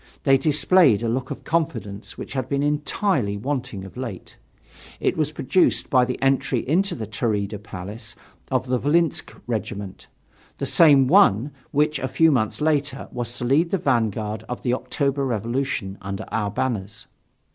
They displayed a look of confidence which had been entirely wanting of late. It was produced by the entry into the Taurida Palace of the Volynsk regiment, the same one, which, a few months later, was to lead the vanguard of the October revolution, under our banners.